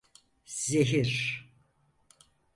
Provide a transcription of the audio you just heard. Zehir…